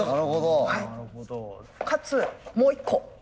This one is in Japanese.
かつもう一個。